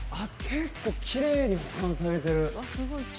結構きれいに保管されてる